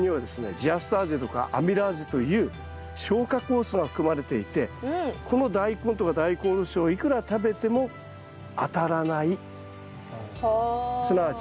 ジアスターゼとかアミラーゼという消化酵素が含まれていてこのダイコンとかダイコンおろしをいくら食べてもはあ。